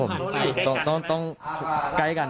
แล้วทำไมถึงเลือกรับร่าง